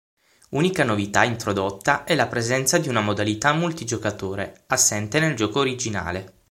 Unica novità introdotta è la presenza di una modalità multigiocatore, assente nel gioco originale.